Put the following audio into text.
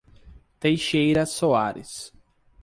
Teixeira Soares